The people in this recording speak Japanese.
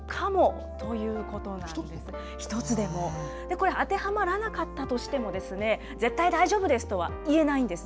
これ、当てはまらなかったとしてもですね、絶対大丈夫ですとはいえないんです。